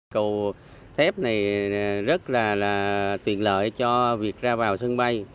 cầu thép này rất là tiện lợi cho việc ra vào sân bay